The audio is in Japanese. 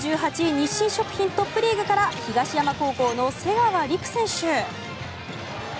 日清食品トップリーグから東山高校の瀬川琉久選手。